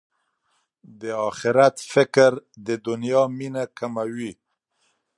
د اخرت فکر د دنیا مینه کموي.